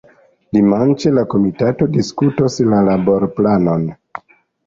Dimanĉe la komitato diskutos la laborplanon.